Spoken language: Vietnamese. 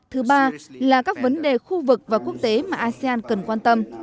thứ ba là các vấn đề khu vực và quốc tế mà asean cần quan tâm